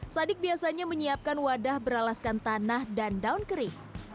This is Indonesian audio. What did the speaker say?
sadik biasanya menyiapkan wadah beralaskan tanah dan daun kering